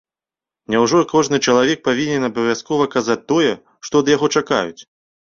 Няўжо кожны чалавек павінен абавязкова казаць тое, што ад яго чакаюць?!